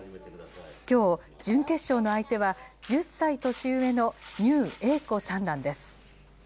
きょう、準決勝の相手は、１０歳年上の牛栄子三段です。